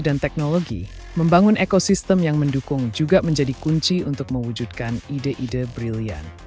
dan teknologi membangun ekosistem yang mendukung juga menjadi kunci untuk mewujudkan ide ide brilliant